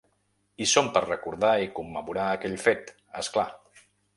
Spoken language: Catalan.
Hi som per recordar i commemorar aquell fet, és clar.